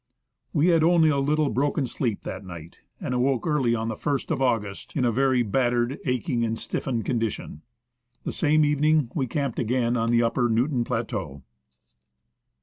We had only a little broken sleep that night, and awoke early on the I St of August in a very battered, aching, and stiffened condi tion. The same evening we camped again on the upper Newton plateau.